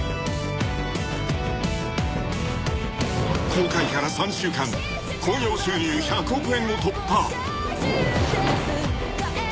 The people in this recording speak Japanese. ［公開から３週間興行収入１００億円を突破］